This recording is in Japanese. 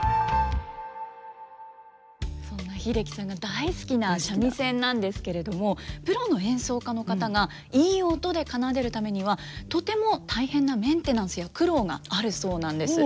そんな英樹さんが大好きな三味線なんですけれどもプロの演奏家の方がいい音で奏でるためにはとても大変なメンテナンスや苦労があるそうなんです。